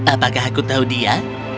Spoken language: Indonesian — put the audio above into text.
apakah aku tahu dia